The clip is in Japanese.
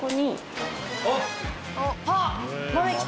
あっ！